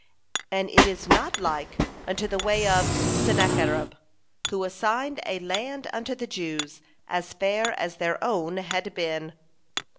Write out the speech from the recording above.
And it is not like unto the way of Sennacherib, who assigned a land unto the Jews as fair as their own had been.